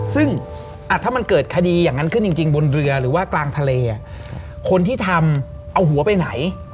ซึ่งถ้ามันเกิดคดีอย่างนั้นขึ้นจริงบนเรือหรือว่ากลางทะเลคนที่ทำเอาหัวไปไหน